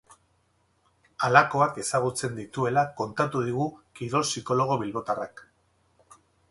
Halakoak ezagutzen dituela kontatu digu kirol psikologo bilbotarrak.